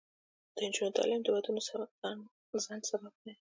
د نجونو تعلیم د ودونو ځنډ سبب دی.